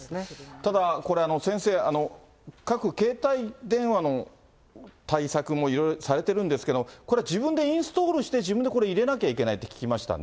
ただ、これ、先生、各携帯電話の対策もいろいろされてるんです、これ、自分でインストールして自分でこれ入れなきゃいけないって聞きましたね。